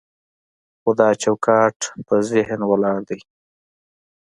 خو دا چوکاټ په ذهن ولاړ دی.